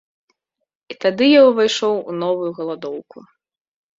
І тады я ўвайшоў у новую галадоўку.